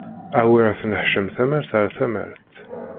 Awer tenneḥcam tamart ar tamart!